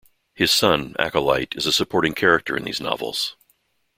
His son, Acolyte, is a supporting character in these novels.